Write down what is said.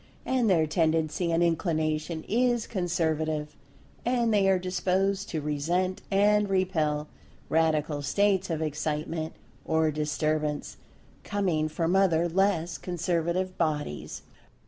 And, their tendency and inclination is Conservative, and they are disposed to resent and repel Radical states of Excitement or Disturbance, coming from other less Conservative Bodies.